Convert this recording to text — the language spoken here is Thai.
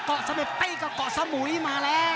เกาะสะเม็ดตีกับเกาะสะหมุยมาแล้ว